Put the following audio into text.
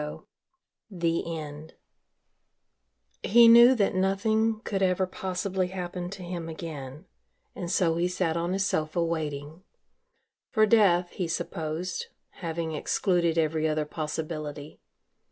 IX THE END He knew that nothing could ever possibly happen to him again and so he sat on his sofa waiting for death, he supposed, having excluded every other possibility.